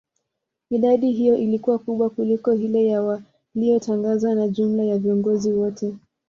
idadi hiyo ilikuwa kubwa kuliko hile ya waliyotangazwa na jumla ya viongozi wote